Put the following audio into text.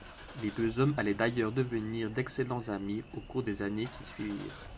Les deux hommes allaient d'ailleurs devenir d'excellents amis au cours des années qui suivirent.